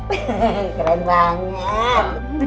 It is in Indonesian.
wah lagi pedang ngapain